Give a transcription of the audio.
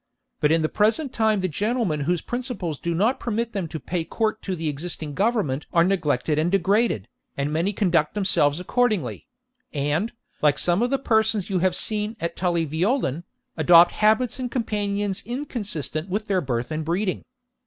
But in the present time the gentlemen whose principles do not permit them to pay court to the existing government are neglected and degraded, and many conduct themselves accordingly; and, like some of the persons you have seen at Tully Veolan, adopt habits and companions inconsistent with their birth and breeding.